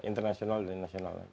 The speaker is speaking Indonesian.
international dan nasional